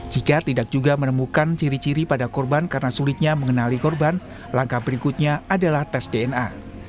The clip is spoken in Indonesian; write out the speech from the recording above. jika tidak juga menemukan ciri ciri pada korban karena sulitnya mengenali korban langkah berikutnya adalah tes dna